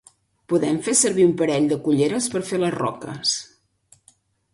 Podem fer servir un parell de culleres per fer les roques.